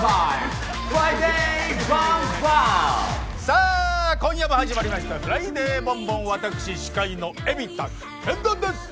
さあ今夜も始まりました「フライデーボンボン」私司会の海老田天丼です。